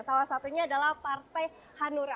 salah satunya adalah partai hanura